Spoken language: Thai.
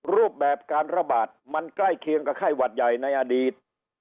รูปแบบการระบาดมันใกล้เคียงกับไข้หวัดใหญ่ในอดีต